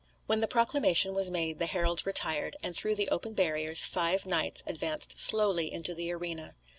When the proclamation was made the heralds retired, and through the open barriers five knights advanced slowly into the arena.